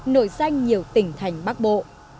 nổi danh nhiều tỉnh thành bắc bộ